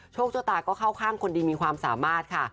โชคชะตาก็เข้าข้างคนดีมีความสามารถค่ะ